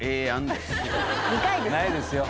ないですよ。